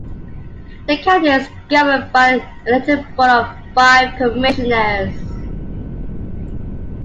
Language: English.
The county is governed by an elected board of five commissioners.